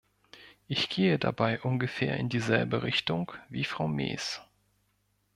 Ich gehe dabei ungefähr in dieselbe Richtung wie Frau Maes.